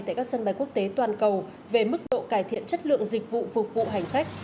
tại các sân bay quốc tế toàn cầu về mức độ cải thiện chất lượng dịch vụ phục vụ hành khách